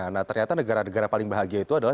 nah ternyata negara negara paling bahagia itu adalah